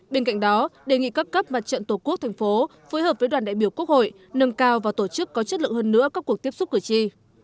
bên cạnh đó đề nghị các cấp mặt trận tổ quốc thành phố phối hợp với đoàn đại biểu quốc hội nâng cao và tổ chức có chất lượng hơn nữa các cuộc tiếp xúc cử tri